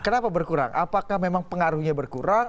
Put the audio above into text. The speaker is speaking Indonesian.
kenapa berkurang apakah memang pengaruhnya berkurang